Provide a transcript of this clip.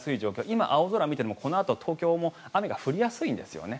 今、青空を見ていてもこのあと東京も雨が降りやすいんですよね。